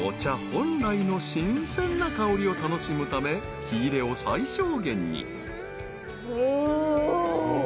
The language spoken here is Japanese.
本来の新鮮な香りを楽しむため火入れを最小限に］